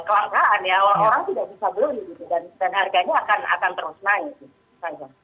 orang tidak bisa beli gitu dan harganya akan terus naik